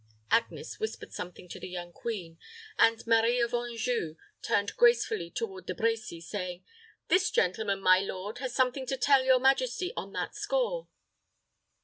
Agnes whispered something to the young queen, and Marie of Anjou turned gracefully toward De Brecy, saying, "This gentleman, my lord, has something to tell your majesty on that score."